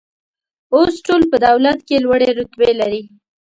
اوس ټول په دولت کې لوړې رتبې لري.